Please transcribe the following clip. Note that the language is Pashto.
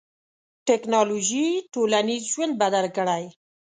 ټکنالوژي ټولنیز ژوند بدل کړی.